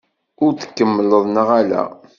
Ad t-tkemmleḍ neɣ ala?